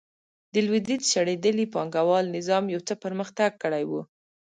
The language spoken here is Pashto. د لوېدیځ شړېدلي پانګوال نظام یو څه پرمختګ کړی و.